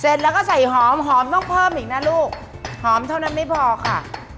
เสร็จแล้วก็ใส่หอมหอมต้องเพิ่มอีกนะลูกหอมเท่านั้นไม่พอค่ะ